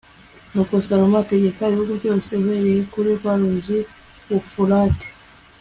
nuko salomo ategeka ibihugu byose, uhereye kuri rwa ruzi [ufurate]